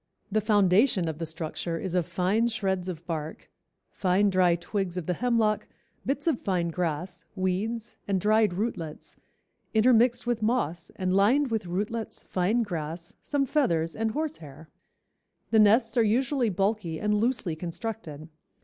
"The foundation of the structure is of fine shreds of bark, fine dry twigs of the hemlock, bits of fine grass, weeds and dried rootlets, intermixed with moss and lined with rootlets, fine grass, some feathers and horse hair." The nests are usually bulky and loosely constructed.